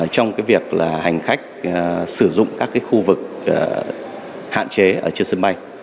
trong việc hành khách sử dụng các khu vực hạn chế ở trên sân bay